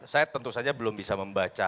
saya tentu saja belum bisa membaca